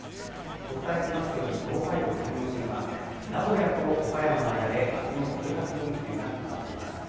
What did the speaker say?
お伝えしていますように東海道・山陽新幹線、名古屋と岡山の間であすの計画運休が決まっています。